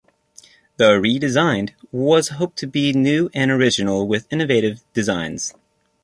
The re-design was hoped to be new and original, with innovative designs.